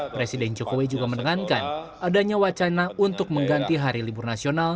presiden jokowi juga menengankan adanya wacana untuk mengganti hari libur nasional